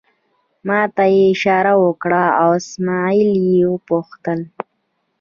ما ته یې اشاره وکړه، اسمعیل یې وپوښتل.